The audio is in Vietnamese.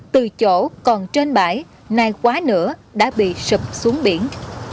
từ chỗ còn trên bãi nay quá nữa đã bị sụp xuống biển